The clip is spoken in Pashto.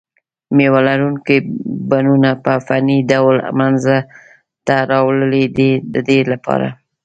مېوه لرونکي بڼونه په فني ډول منځته راوړي دي د دې لپاره.